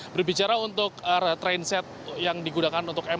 berbicara untuk train set yang digunakan untuk mrt